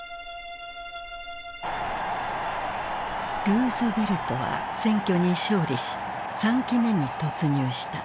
ルーズベルトは選挙に勝利し３期目に突入した。